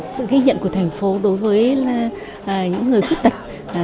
sự ghi nhận của thành phố đối với những người khuyết tật